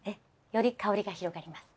より香りが広がります。